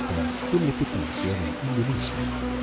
dari penyelenggaraan indonesia